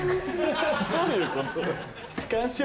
どういうことよ